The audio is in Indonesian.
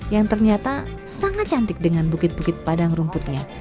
yang ternyata sangat cantik dengan bukit bukit padang rumputnya